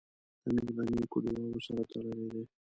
تنور د نیکو دعاوو سره تړلی دی